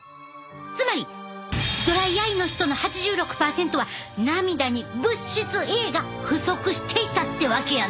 つまりドライアイの人の８６％は涙に物質Ａが不足していたってわけやな。